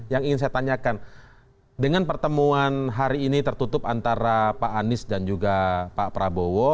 yang ingin saya tanyakan dengan pertemuan hari ini tertutup antara pak anies dan juga pak prabowo